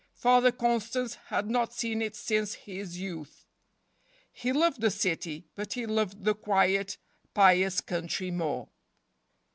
Father Constance had not seen it since his 9 youth. He loved the city, but he loved the quiet, pious country more.